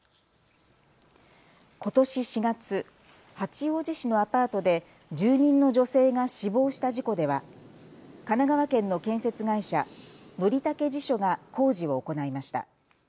ことし４月、八王子市のアパートで住人の女性が死亡した事故では神奈川県の建設会社、則武地所が工事を行いました。